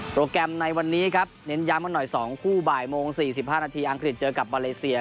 แกรมในวันนี้ครับเน้นย้ำกันหน่อย๒คู่บ่ายโมง๔๕นาทีอังกฤษเจอกับมาเลเซีย